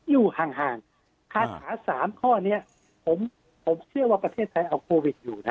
อยู่ห่างคาถา๓ข้อนี้ผมเชื่อว่าประเทศไทยเอาโควิดอยู่นะ